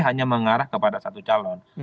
hanya mengarah kepada satu calon